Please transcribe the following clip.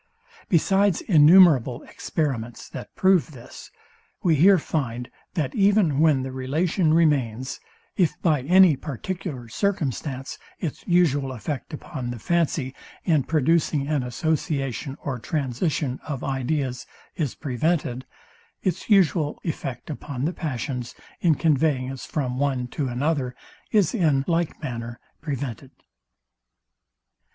Besides innumerable experiments that prove this, we here find, that even when the relation remains; if by any particular circumstance its usual effect upon the fancy in producing an association or transition of ideas, is prevented; its usual effect upon the passions, in conveying us from one to another, is in like manner prevented.